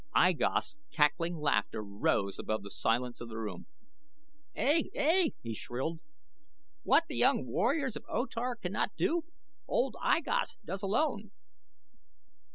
I Gos' cackling laughter rose above the silence of the room. "Ey, ey!" he shrilled. "What the young warriors of O Tar cannot do, old I Gos does alone."